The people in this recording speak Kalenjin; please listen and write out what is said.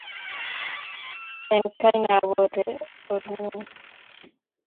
Enkai nabore orngur